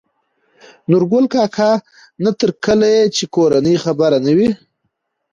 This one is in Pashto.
نورګل کاکا : نه تر کله يې چې کورنۍ خبره نه وي